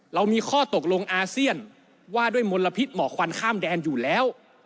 เรามีข้อตกลงอาเซียนว่าด้วยมลพิษหมอกควันข้ามแดนอยู่แล้ว